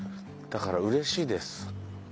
だから嬉しいです。